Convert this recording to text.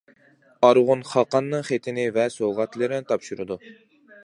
ئارغۇن خاقاننىڭ خېتىنى ۋە سوۋغاتلىرىنى تاپشۇرىدۇ.